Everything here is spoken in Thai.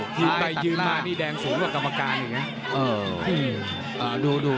ยืนไปยืนมานี่แดงสูงกว่ากรรมการอีกนะ